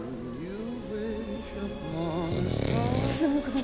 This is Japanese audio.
すごい。